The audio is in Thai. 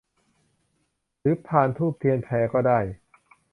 หรือพานธูปเทียนแพรก็ได้